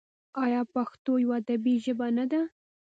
آیا پښتو یوه ادبي ژبه نه ده؟